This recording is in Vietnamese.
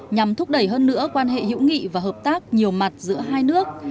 nhằm thúc đẩy hơn nữa quan hệ hữu nghị và hợp tác nhiều mặt giữa hai nước